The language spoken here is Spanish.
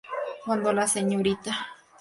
Cuando la Srta.